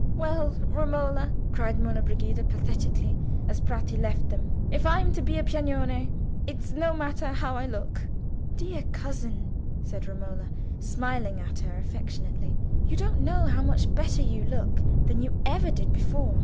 "Well, Romola," cried Monna Brigida, pathetically, as Bratti left them, "if I'm to be a Piagnone it's no matter how I look!" "Dear cousin," said Romola, smiling at her affectionately, "you don't know how much better you look than you ever did before.